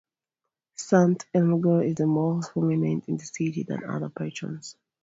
Sant Ermengol is the most prominent in the city than other patrons.